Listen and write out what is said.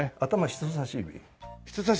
人さし指。